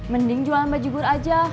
mending jualan baji gur aja